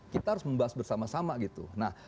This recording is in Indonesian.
kita harus membahas bersama sama gitu